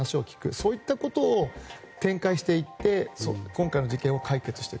そういったことを展開していって今回の事件を解決していく。